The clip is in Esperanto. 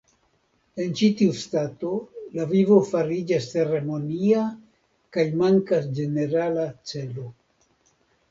En ĉi tiu stato la vivo fariĝas ceremonia kaj mankas ĝenerala celo.